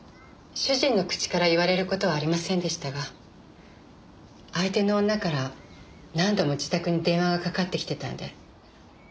主人の口から言われる事はありませんでしたが相手の女から何度も自宅に電話がかかってきてたんで。